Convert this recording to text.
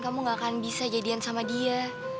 kamu gak akan bisa jadian sama dia